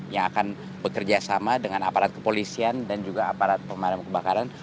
yang akan bekerjasama dengan aparat kepolisian dan juga aparat pemadam kebakaran